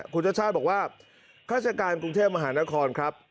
คุณชาติชาติบอกว่าข้าราชการกรุงเทพมหานครครับ